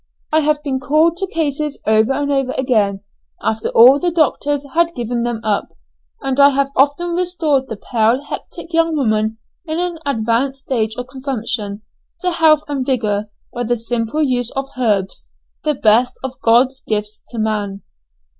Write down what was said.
I have been called to cases over and over again, after all the doctors had given them up, and I have often restored the pale hectic young woman, in an advanced stage of consumption, to health and vigour, by the simple use of herbs the best of God's gifts to man!"